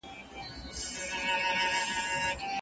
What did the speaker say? خدای د عقل په تحفه دی نازولی